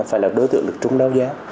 phải là đối tượng được trúng đấu giá